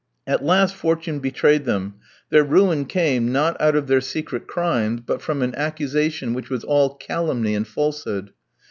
At last fortune betrayed them; their ruin came, not out of their secret crimes, but from an accusation which was all calumny and falsehood.